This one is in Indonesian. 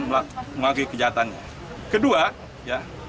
mengalami kejahatan kedua ya